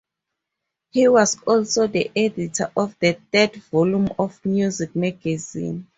He was also the editor of the third volume of Music Magazine.